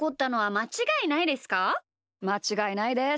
まちがいないです。